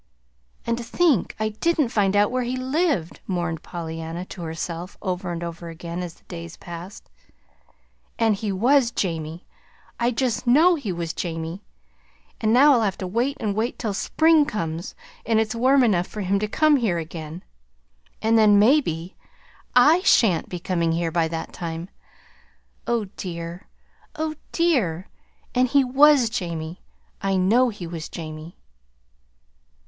"And to think I didn't find out where he lived!" mourned Pollyanna to herself over and over again, as the days passed. "And he was Jamie I just know he was Jamie. And now I'll have to wait and wait till spring comes, and it's warm enough for him to come here again. And then, maybe, I sha'n't be coming here by that time. O dear, O dear and he WAS Jamie, I know he was Jamie!"